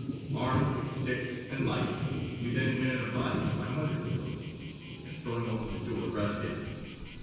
Armed with sticks and lights, we then went in a body to my mother's room, and throwing open the door, rushed in.